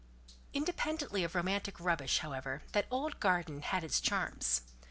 Independently of romantic rubbish, however, that old garden had its charms.